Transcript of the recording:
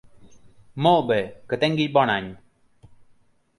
Molt bé, que tinguis bon any!